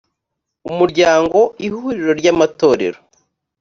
umuryango ihuriro ry’amatorero